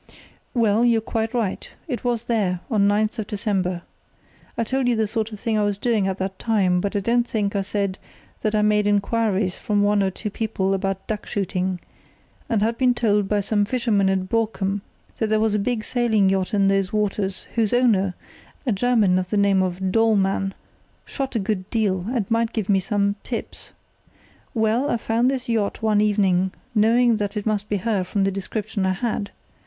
"Well, you're quite right, it was there, on September 9. I told you the sort of thing I was doing at that time, but I don't think I said that I made inquiries from one or two people about duck shooting, and had been told by some fishermen at Borkum that there was a big sailing yacht in those waters, whose owner, a German of the name of Dollmann, shot a good deal, and might give me some tips. Well, I found this yacht one evening, knowing it must be her from the description I had.